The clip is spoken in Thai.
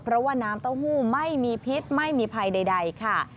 เพราะว่าน้ำเต้าหู้ไม่มีพิษไม่มีภัยใดค่ะ